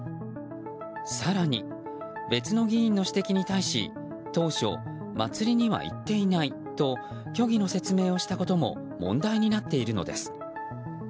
更に、別の議員の指摘に対し当初、祭りには行っていないと虚偽の説明をしたことも問題になっているのです。